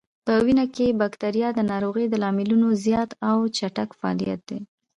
په وینه کې بکتریا د ناروغیو د لاملونو زیات او چټک فعالیت دی.